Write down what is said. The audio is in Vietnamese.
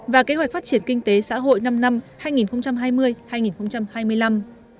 và kế hoạch phát triển kinh tế xã hội năm năm hai nghìn hai mươi hai nghìn hai mươi năm